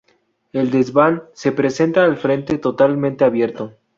El desván se presenta al frente totalmente abierto.